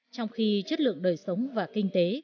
trong khi chất lượng đời sống và kinh tế